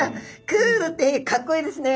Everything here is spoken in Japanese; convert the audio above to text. クールってかっこいいですね！